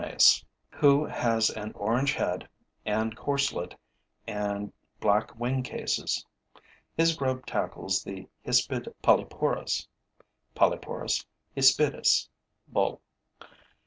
who has an orange head and corselet and black wing cases. His grub tackles the hispid polyporus (Polyporus hispidus, BULL.)